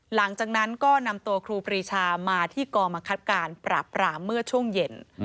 หลังจากนั้นก็นำตัวครูปรีชามาที่กองบังคับการปราบปรามเมื่อช่วงเย็น